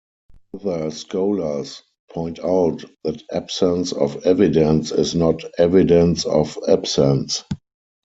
Other scholars, point out that absence of evidence is not evidence of absence.